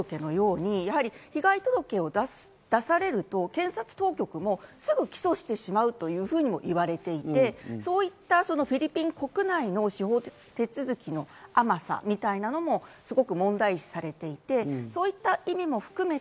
フィリピンの国内は、今回のウソの被害届のように被害届を出されると検察当局もすぐ起訴してしまうというふうに言われていて、そういったフィリピン国内の司法手続きの甘さみたいなのも問題視されていて、そういう意味も含めて